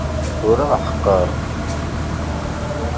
Ur aɣ-ḥeqqer.